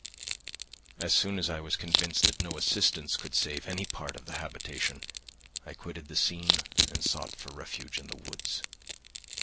"As soon as I was convinced that no assistance could save any part of the habitation, I quitted the scene and sought for refuge in the woods.